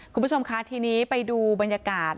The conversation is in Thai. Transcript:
คุณผู้ชมคะทีนี้ไปดูบรรยากาศ